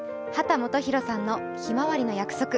秦基博さんの「ひまわりの約束」。